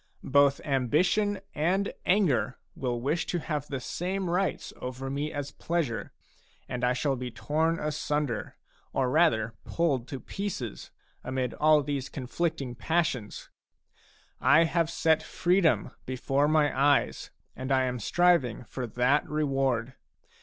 Both ambition and anger will wish to have the same rights over me as pleasure, and I shall be torn asunder, or rather pulled to pieces, amid all these conflicting passions. I have set freedom before my eyes ; and I am striving for that reward.